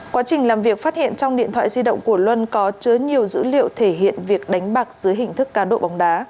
quá trình làm việc phát hiện trong điện thoại di động của luân có chứa nhiều dữ liệu thể hiện việc đánh bạc dưới hình thức cá độ bóng đá